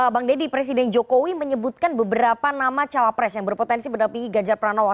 bang deddy presiden jokowi menyebutkan beberapa nama cawapres yang berpotensi mendapingi gajah peran allah